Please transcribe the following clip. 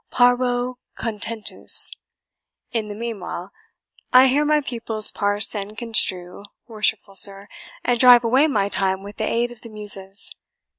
PARVO CONTENTUS, in the meanwhile, I hear my pupils parse and construe, worshipful sir, and drive away my time with the aid of the Muses.